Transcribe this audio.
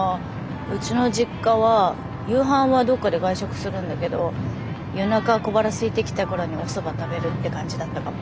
うちの実家は夕飯はどっかで外食するんだけど夜中小腹すいてきた頃におそば食べるって感じだったかも。